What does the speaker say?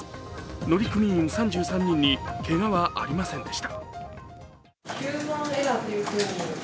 乗組員３３人にけがはありませんでした。